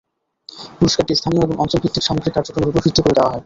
পুরস্কারটি স্থানীয় এবং অঞ্চলভিত্তিক সামগ্রিক কার্যক্রমের ওপর ভিত্তি করে দেওয়া হয়।